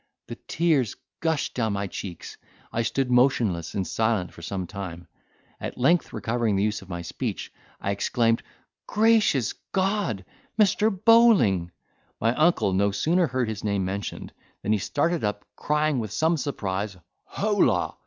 The tears gushed down my cheeks; I stood motionless and silent for some time. At length, recovering the use of speech, I exclaimed, "Gracious God! Mr. Bowling!" My uncle no sooner heard his name mentioned, than he started up, crying, with some surprise, "Holla!"